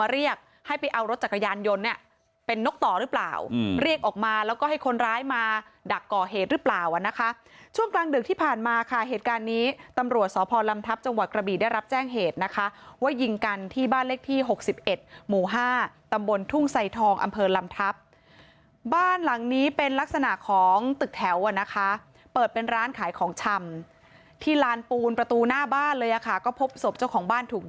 เรียกออกมาแล้วก็ให้คนร้ายมาดักก่อเหตุรึเปล่านะคะช่วงกลางดึกที่ผ่านมาค่ะเหตุการณ์นี้ตำรวจสลำทับจังหวัดกระบีได้รับแจ้งเหตุนะคะว่ายิงกันที่บ้านเลขที่๖๑หมู่๕ตำบลทุ่งไซทองอำเภอลำทับบ้านหลังนี้เป็นลักษณะของตึกแถวนะคะเปิดเป็นร้านขายของชำที่ลานปูนประตูหน้าบ้านเลยค่ะก็พบศพเจ้าของบ